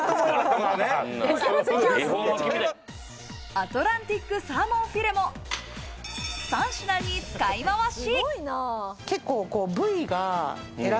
アトランティックサーモンフィレも、３品に使いまわし。